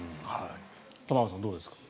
玉川さん、どうですか。